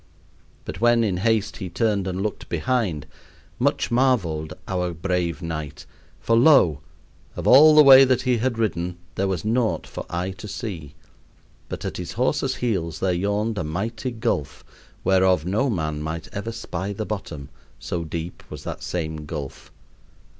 But when in haste he turned and looked behind, much marveled our brave knight, for lo! of all the way that he had ridden there was naught for eye to see; but at his horse's heels there yawned a mighty gulf, whereof no man might ever spy the bottom, so deep was that same gulf.